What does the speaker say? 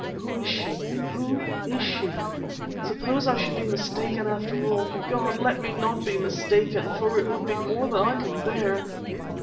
"Who is she? Who is she? Suppose I should be mistaken after all. God, let me not be mistaken, for it would be more than I can bear."